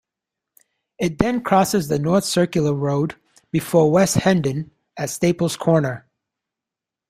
It then crosses the North Circular Road before West Hendon at Staples Corner.